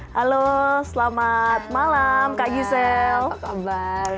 halo selamat malam kak gisela